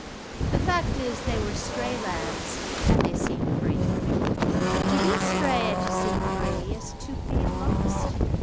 The fact is, they were stray lambs and they seemed free. To be astray and to seem free is to be lost.